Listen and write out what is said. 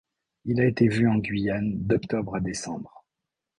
Il a été vu en Guyane d'octobre à décembre.